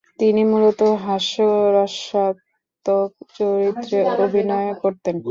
তিনি মূলত হাস্যরসাত্মক চরিত্রে অভিনয় করতেন।